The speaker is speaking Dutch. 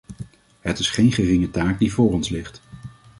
Het is geen geringe taak die voor ons ligt.